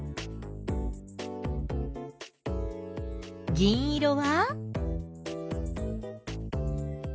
銀色は？